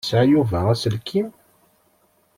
Yesɛa Yuba aselkim?